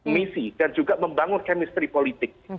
misi dan juga membangun chemistry politik